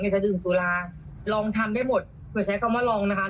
อยากจะดึงธุระลองทำได้หมดเหมียวใช้คำว่าลองนะคะ